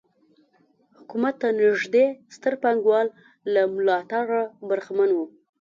حکومت ته نږدې ستر پانګوال له ملاتړه برخمن وو.